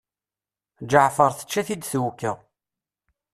Ǧeɛfer tečča-t-id twekka.